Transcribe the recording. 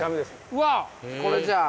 うわこれじゃあ。